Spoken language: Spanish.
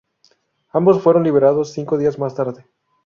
Ambos fueron liberados cinco días más tarde.